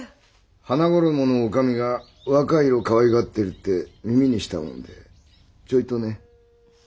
花ごろもの女将が若いイロかわいがってるって耳にしたもんでちょいとね。